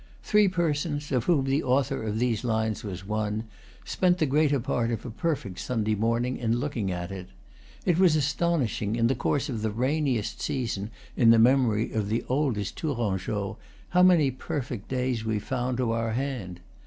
Three persons, of whom the author of these lines was one, spent the greater part of a perfect Sunday morning in looking at it. It was astonishing, in the course of the rainiest season in the memory of the oldest Tourangeau, how many perfect days we found to our hand.